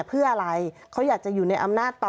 เพื่ออะไรเขาอยากจะอยู่ในอำนาจต่อ